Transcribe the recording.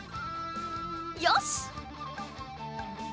よし！